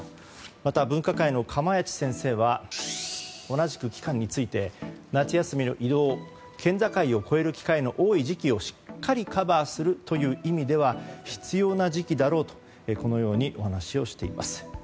また、分科会の釜萢先生は同じく期間について夏休みの移動県境を越える機会の多い時期をしっかりカバーするという意味では必要な時期だろうとこのようにお話しされています。